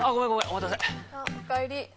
お帰り